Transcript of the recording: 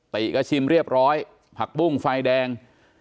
ติก็ชิมเรียบร้อยผักบุ้งไฟแดง